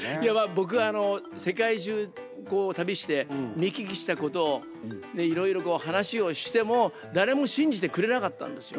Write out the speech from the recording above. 僕あの世界中こう旅して見聞きしたことをいろいろこう話をしても誰も信じてくれなかったんですよ。